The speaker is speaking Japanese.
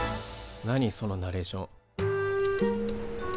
何そのナレーション。